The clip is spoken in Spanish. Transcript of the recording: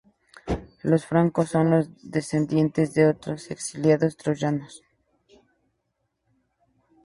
Los francos son los descendientes de otros exiliados troyanos.